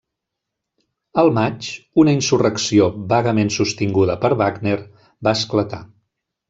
El maig, una insurrecció -vagament sostinguda per Wagner- va esclatar.